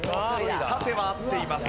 縦は合っています。